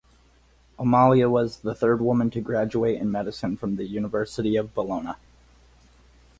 Amalia was the third woman to graduate in medicine from the University of Bologna.